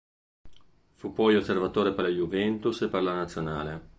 Fu poi osservatore per la Juventus e per la Nazionale.